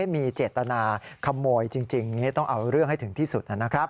มีเจตนาขโมยจริงต้องเอาเรื่องให้ถึงที่สุดนะครับ